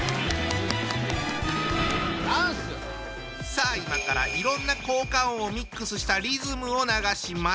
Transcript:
さあ今からいろんな効果音をミックスしたリズムを流します。